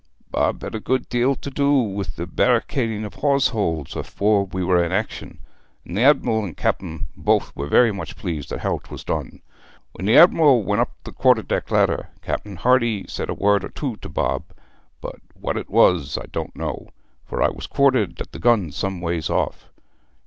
'Bob had a good deal to do with barricading the hawse holes afore we were in action, and the Adm'l and Cap'n both were very much pleased at how 'twas done. When the Adm'l went up the quarter deck ladder, Cap'n Hardy said a word or two to Bob, but what it was I don't know, for I was quartered at a gun some ways off.